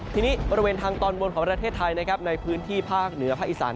ทีนี้บริเวณทางตอนบนของประเทศไทยนะครับในพื้นที่ภาคเหนือภาคอีสาน